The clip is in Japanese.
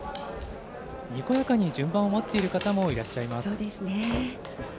にこやかに順番を待っている方もいらっしゃいます。